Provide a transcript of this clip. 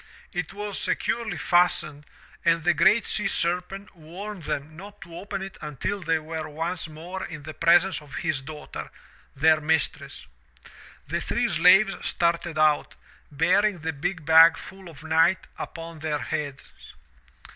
It was securely fastened and the GREAT SEA SERPENT warned them not to open it until they were once more in the presence of his daughter, their mistress. The three slaves started out, bearing the big bag full of night upon their heads.